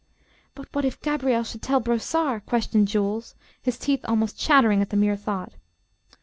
"But what if Gabriel should tell Brossard?" questioned Jules, his teeth almost chattering at the mere thought.